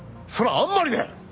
それはあんまりだよ。